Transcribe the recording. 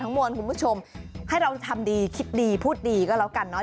มวลคุณผู้ชมให้เราทำดีคิดดีพูดดีก็แล้วกันเนาะ